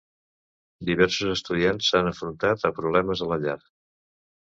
Diversos estudiants s'han d'enfrontar a problemes a la llar.